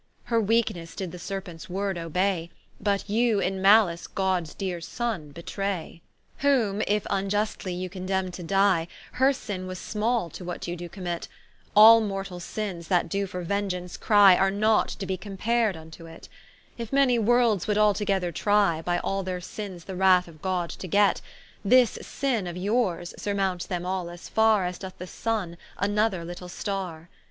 Her weakenesse did the Serpents word obay, But you in malice Gods deare Sonne betray. Whom, if vniustly you condemne to die, Her sinne was small, to what you doe commit; All mortall sinnes that doe for vengeance crie, Are not to be compared vnto it: If many worlds would altogether trie, By all their sinnes the wrath of God to get; This sinne of yours, surmounts them all as farre As doth the Sunne, another little starre.